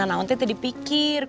nanaon teh tadi pikir